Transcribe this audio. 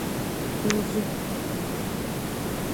nzu